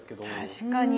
確かに。